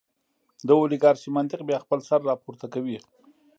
د اولیګارشۍ منطق بیا خپل سر راپورته کوي.